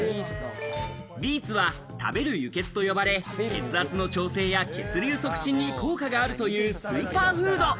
ビーツは食べる輸血と呼ばれ、血圧の調整や、血流促進に効果があるというスーパーフード。